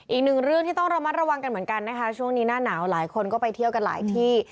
อีกหนึ่งเรื่องที่ต้องระมัดระวังกันเหมือนกันนะคะช่วงนี้หน้าหนาวหลายคนก็ไปเที่ยวกันหลายที่